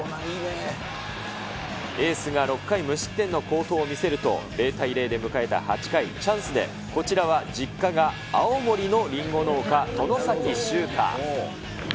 エースが６回無失点の好投を見せると、０対０で迎えた８回、チャンスで、こちらは実家が青森のリンゴ農家、外崎修汰。